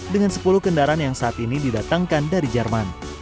dengan sepuluh kendaraan yang saat ini didatangkan dari jerman